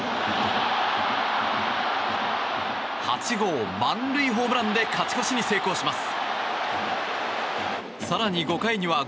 ８号満塁ホームランで勝ち越しに成功します。